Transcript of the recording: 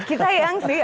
kita young sih